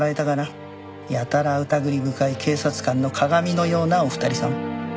やたらうたぐり深い警察官の鑑のようなお二人さん。